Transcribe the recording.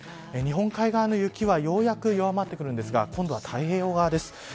日本海側の雪はようやく弱まりますが今度は太平洋側です。